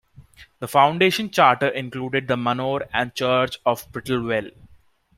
The foundation charter included the manor and church of Prittlewell.